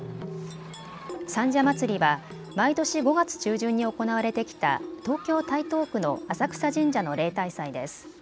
三社祭は毎年５月中旬に行われてきた東京台東区の浅草神社の例大祭です。